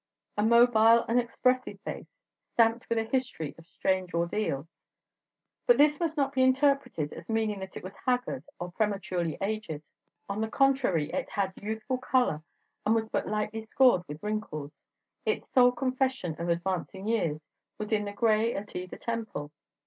A mobile and expressive face, stamped with a history of strange ordeals; but this must not be interpreted as meaning that it was haggard or prematurely aged; on the contrary, it had youthful colour and was but lightly scored with wrinkles, its sole confession of advancing years was in the gray at either temple.